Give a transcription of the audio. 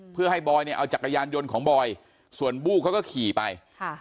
เพื่อให้บอยเนี่ยเอาจักรยานยนต์ของบอยส่วนบู้เขาก็ขี่ไปค่ะ